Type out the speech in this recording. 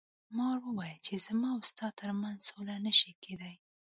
مار وویل چې زما او ستا تر منځ سوله نشي کیدی.